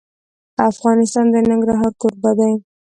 افغانستان د ننګرهار کوربه دی.